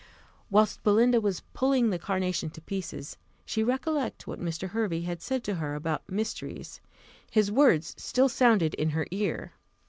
Whilst Belinda was pulling the carnation to pieces, she recollected what Mr. Hervey had said to her about mysteries: his words still sounded in her ear.